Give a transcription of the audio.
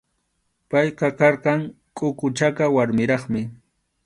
Payqa karqan kʼuku chaka warmiraqmi.